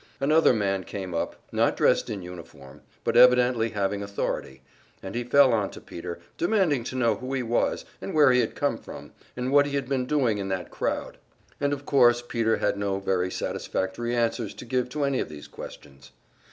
Another man came up, not dressed in uniform, but evidently having authority, and he fell onto Peter, demanding to know who he was, and where he had come from, and what he had been doing in that crowd. And of course Peter had no very satisfactory answers to give to any of these questions.